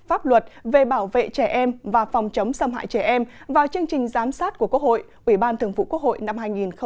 pháp luật về bảo vệ trẻ em và phòng chống xâm hại trẻ em vào chương trình giám sát của quốc hội ủy ban thường vụ quốc hội năm hai nghìn hai mươi